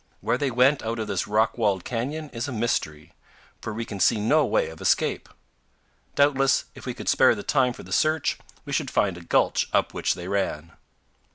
Where they went out of this rock walled canyon is a mystery, for we can see no way of escape. Doubtless, if we could spare the time for the search, we should find a gulch up which they ran.